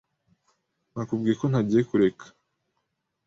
Nakubwiye ko ntagiye kureka.